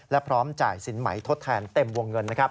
และพร้อมจ่ายสินหมายทดแทนเต็มวงเงิน